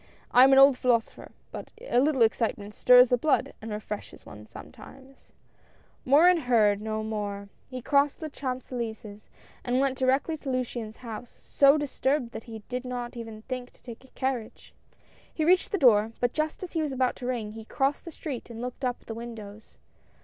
I am an old philosopher, but a little excitement stirs the blood, and refreshes one sometimes !" Morin heard no more — he crossed the Champs Elysees, and went directly to Luciane's house, so dis turbed that he did not even think to take a carriage. A SURPRISE. 181 He reached the door, but just as he was about to ring, he crossed the street and looked up at the win dows.